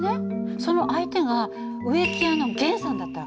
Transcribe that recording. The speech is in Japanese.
その相手が植木屋の源さんだった訳。